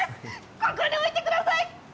ここに置いてください！